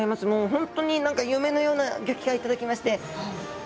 本当に夢のような機会をいただきまして。